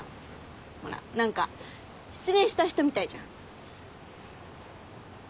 ほら何か失恋した人みたいじゃん。